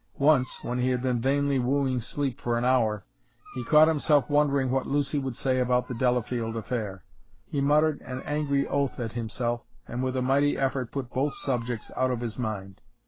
Once, when he had been vainly wooing sleep for an hour, he caught himself wondering what Lucy would say about the Delafield affair. He muttered an angry oath at himself, and with a mighty effort put both subjects out of his mind.